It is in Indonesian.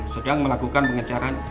sedang melakukan pengecaran